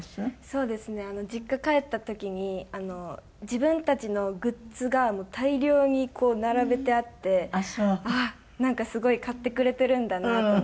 そうですね実家帰った時に自分たちのグッズが大量にこう並べてあってあっなんかすごい買ってくれてるんだなと思って。